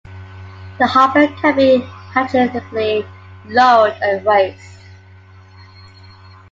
The hopper can be hydraulically lowered and raised.